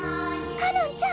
かのんちゃん！